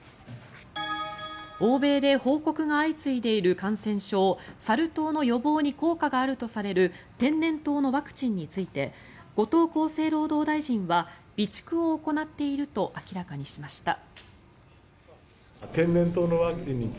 欧米で報告が相次いでいる感染症サル痘の予防に効果があるとされる天然痘のワクチンについて後藤厚生労働大臣は備蓄を行っていると明らかにしました。